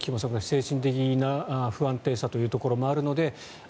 精神的な不安定さというところもあるのであ